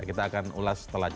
kita akan ulas setelah ini